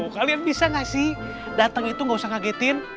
kalian bisa gak sih dateng itu gak pusat ngagetin